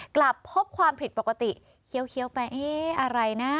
กลับพบความผิดปกติเคี้ยวไปเอ๊ะอะไรนะ